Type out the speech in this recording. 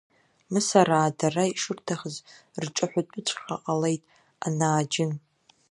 Мысараа дара ишырҭахыз рҿаҳәатәыҵәҟьа ҟалеит, анааџьын!